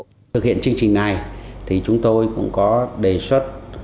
trước khi thực hiện chương trình này chúng tôi cũng có đề xuất